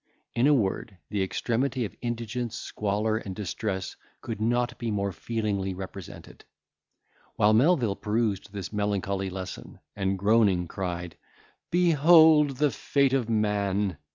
In a word, the extremity of indigence, squalor, and distress could not be more feelingly represented. While Melvil perused this melancholy lesson, and groaning, cried, "Behold the fate of man!"